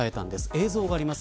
映像があります。